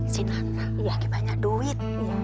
si nana banyak duit